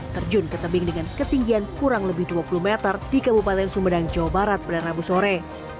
terjun ke tebing dengan ketinggian kurang lebih dua puluh meter di kabupaten sumedang jawa barat pada rabu sore